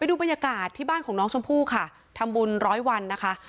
ดูบรรยากาศที่บ้านของน้องชมพู่ค่ะทำบุญร้อยวันนะคะ